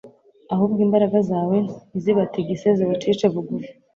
ahubwo imbaraga zawe nizibatigise zibacishe bugufi